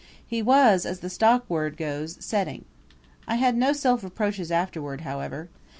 He was, as the stockword goes, setting. I had no self reproaches afterward however.